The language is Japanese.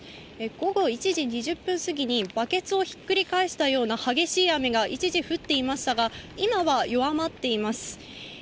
午後１時２０分過ぎに、バケツをひっくり返したような激しい雨が一時降っていましたが、今は弱まっています。